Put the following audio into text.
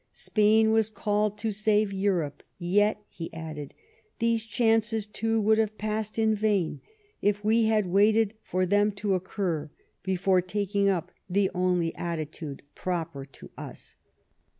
Spain was called to save Europe ; yet," he added, " these chances, too, would have passed in vain, if we had waited for them to occur before taking up the only attitude proper to us."